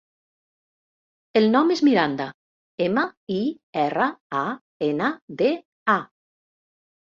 El nom és Miranda: ema, i, erra, a, ena, de, a.